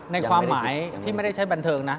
ในความหมายที่ไม่ใช่แฟนเทิงนะ